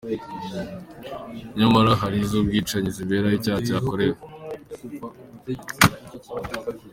Nyamara hari iz’ubwicanyi zibera aho icyaha cyakorewe.